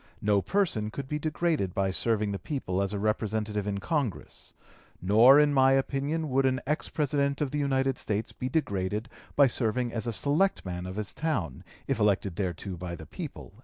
No person could be degraded by serving the people as a Representative in Congress. Nor in my opinion would an ex President of the United States be degraded by serving as a selectman of his town, if elected thereto by the people."